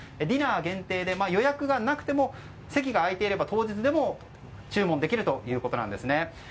ディナー限定で、予約がなくても席が空いていれば当日でも注文できるということです。